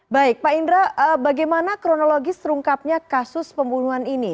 baik pak indra bagaimana kronologis terungkapnya kasus pembunuhan ini